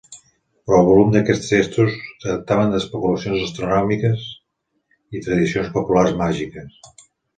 Però el volum d'aquests textos tractaven d'especulacions astronòmiques i tradicions populars màgiques.